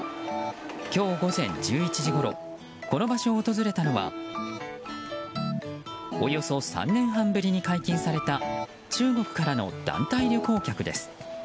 今日午前１１時ごろこの場所を訪れたのはおよそ３年半ぶりに解禁された中国からの団体旅行客です。